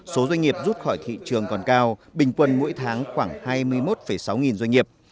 số doanh nghiệp rút khỏi thị trường còn cao bình quân mỗi tháng khoảng hai mươi một sáu nghìn doanh nghiệp